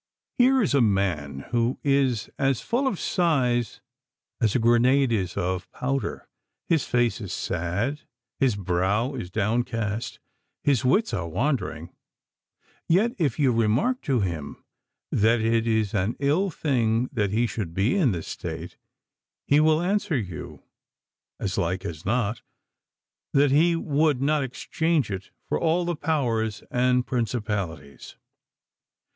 Here is a man who is as full of sighs as a grenade is of powder, his face is sad, his brow is downcast, his wits are wandering; yet if you remark to him that it is an ill thing that he should be in this state, he will answer you, as like as not, that he would not exchange it for all the powers and principalities.